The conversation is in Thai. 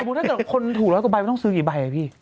สมมุติกับคนถูก๑๐๐กว่าใบว่าต้องซื้อกี่ใบเลยพี่